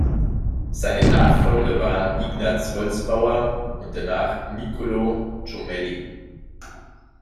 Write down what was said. Seine Nachfolger waren Ignaz Holzbauer und danach Niccolò Jommelli.